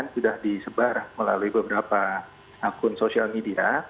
sudah disebar melalui beberapa akun sosial media